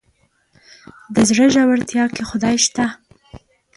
د زړه ژورتيا کې خدای شته.